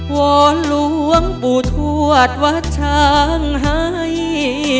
ว่าหลวงปู่ถวัดวัดช่างให้